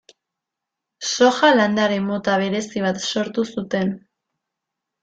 Soja landare mota berezi bat sortu zuten.